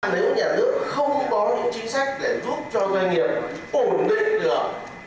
nếu nhà nước không có những chính sách để giúp cho doanh nghiệp ổn định được